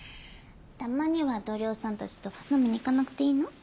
たまには同僚さんたちと飲みに行かなくていいの？